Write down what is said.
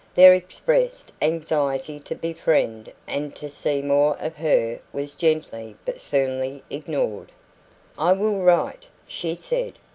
Their expressed anxiety to befriend and to see more of her was gently but firmly ignored. "I will write," she said.